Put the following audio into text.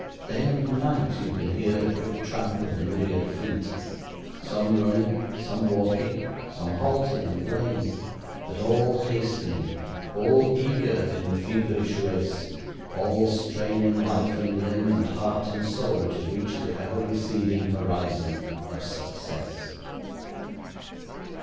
Day and night you can hear the quick tramp of the myriad feet some running, some walking, some halting and lame; but all hastening, all eager in the feverish race, all straining life and limb and heart and soul to reach the ever receding horizon of success.